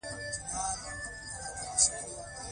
ښاغلی همدرد او ثناالله مخلص راووتل.